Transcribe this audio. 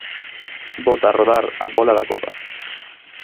Bota a rodar a bóla da Copa.